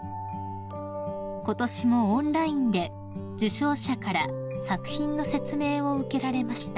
［ことしもオンラインで受賞者から作品の説明を受けられました］